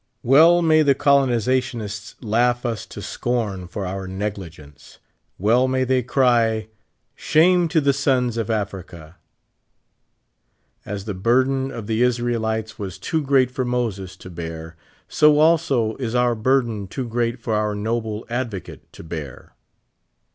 Well may the colonizationists laugh us to scorn for our negli gence ; well may they cr}' :'' Shame to the sons of Africa." As the burden of the Israelites was too great for Moses to bear, so al 10 is our burden too great for our noble ad vocate to bear.